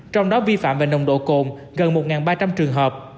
trong đó vi phạm về nồng độ cồn gần một ba trăm linh trường hợp